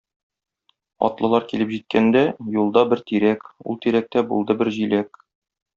Атлылар килеп җиткәндә, юлда бер тирәк, ул тирәктә булды бер җиләк.